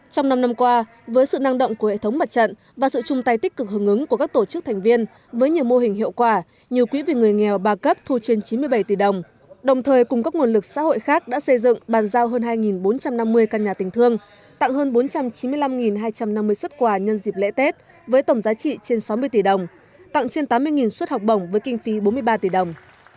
trong năm năm qua với sự năng động của hệ thống mặt trận và sự chung tay tích cực hứng ứng của các tổ chức thành viên với nhiều mô hình hiệu quả nhiều quỹ về người nghèo ba cấp thu trên chín mươi bảy tỷ đồng đồng thời cùng các nguồn lực xã hội khác đã xây dựng bàn giao hơn hai bốn trăm năm mươi căn nhà tình thương tặng hơn bốn trăm chín mươi năm hai trăm năm mươi xuất quà nhân dịp lễ tết với tổng giá trị trên sáu mươi tỷ đồng tặng trên tám mươi xuất học bổng với kinh phí bốn mươi ba tỷ đồng